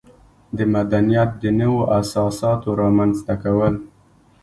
د مدنیت د نویو اساساتو رامنځته کول.